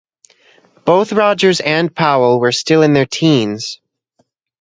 Both Rogers and Powell were still in their teens.